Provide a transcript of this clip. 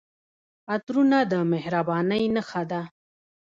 عطرونه د مهربانۍ نښه ده.